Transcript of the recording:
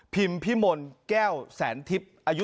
พิมพิมลแก้วแสนทิพย์